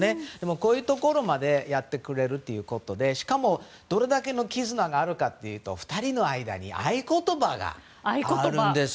こういうところまでやってくれるということでしかも、どれだけの絆があるかというと２人の間に合言葉があるんです。